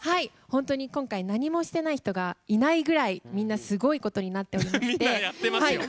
本当に今回何もしてない人がいないぐらい、みんなすごいことになっています。